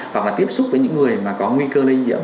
hoặc là tiếp xúc với những người mà có nguy cơ lây nhiễm